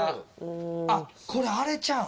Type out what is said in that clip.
あっこれあれちゃうん？